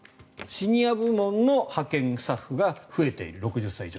シニア部門の派遣スタッフが増えている、６０歳以上。